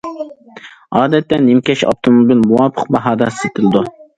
ئادەتتە نىمكەش ئاپتوموبىل مۇۋاپىق باھادا سېتىلىدۇ.